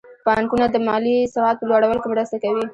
بانکونه د مالي سواد په لوړولو کې مرسته کوي.